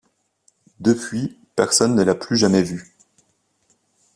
Depuis, personne ne l'a plus jamais vu.